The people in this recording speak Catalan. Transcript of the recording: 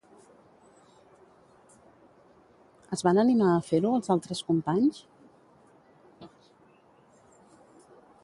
Es van animar a fer-ho, els altres companys?